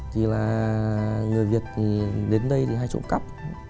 thì là người việt thì đến đây thì hay trộm cắp